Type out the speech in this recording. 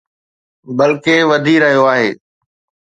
بلڪه، وڌي رهيو آهي